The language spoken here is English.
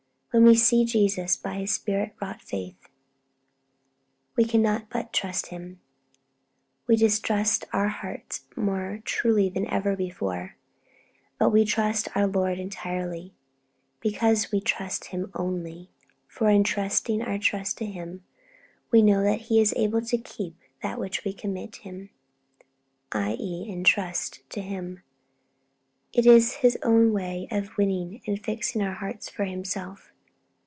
When we 'see Jesus' by Spirit wrought faith, we cannot but trust Him; we distrust our hearts more truly than ever before, but we trust our Lord entirely, because we trust Him only. For, entrusting our trust to Him, we know that He is able to keep that which we commit (i. e. entrust) to Him. It is His own way of winning and fixing our hearts for Himself.